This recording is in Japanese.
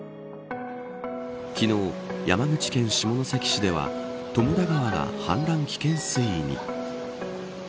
昨日、山口県下関市では友田川が氾濫危険水位に。